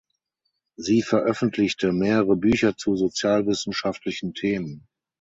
Sie veröffentlichte mehrere Bücher zu sozialwissenschaftlichen Themen.